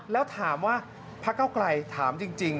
แล้วถามว่าพระเก้าไกลถามจริง